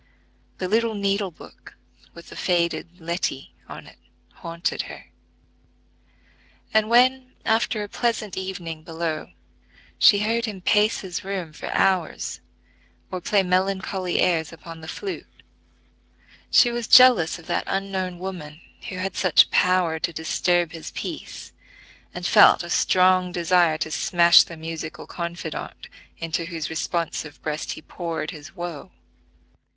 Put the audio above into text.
The little needle book with the faded "Letty" on it haunted her; and when, after a pleasant evening below, she heard him pace his room for hours, or play melancholy airs upon the flute, she was jealous of that unknown woman who had such power to disturb his peace, and felt a strong desire to smash the musical confidante into whose responsive breast he poured his woe.